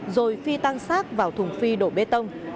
rồi phi tăng sát vào thùng phi đổ bê tông